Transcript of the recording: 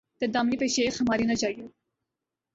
''تر دامنی پہ شیخ ہماری نہ جائیو